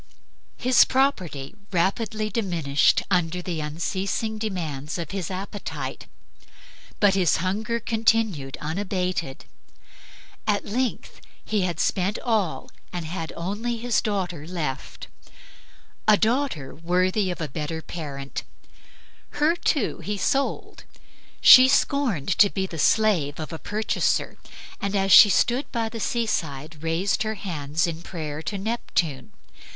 His property rapidly diminished under the unceasing demands of his appetite, but his hunger continued unabated. At length he had spent all and had only his daughter left, a daughter worthy of a better parent. Her too he sold. She scorned to be the slave of a purchaser and as she stood by the seaside raised her hands in prayer to Neptune.